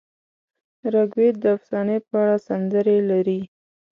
رګ وید د افسانې په اړه سندرې لري.